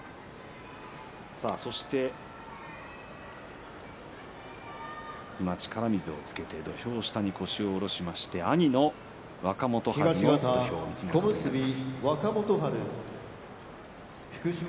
そして力水をつけて土俵下に腰を下ろして兄の若元春の土俵を見つめます。